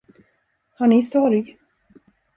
Har ni sorg?